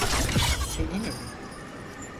Senin evin.